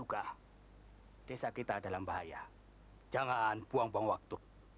kisah kita dalam bahaya jangan buang buang waktu